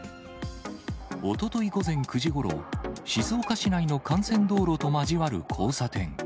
おととい午前９時ごろ、静岡市内の幹線道路と交わる交差点。